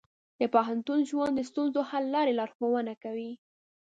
د پوهنتون ژوند د ستونزو حل لارې ښوونه کوي.